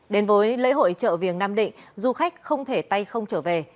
đến với lễ hội chợ viềng nam định du khách không thể tay không trở về